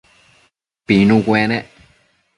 Pinu cuenec